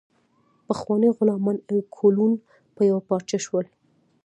پخواني غلامان او کولون په یوه پارچه شول.